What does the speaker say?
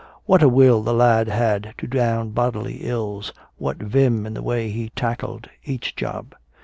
What a will the lad had to down bodily ills, what vim in the way he tackled each job.